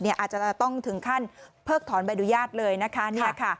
อาจจะต้องถึงขั้นเพิกถอนใบอนุญาตเลยนะคะ